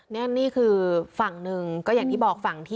อย่างที่บอกฝั่งสามีที่บอก